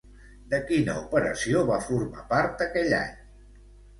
De quina operació va formar part, aquell any?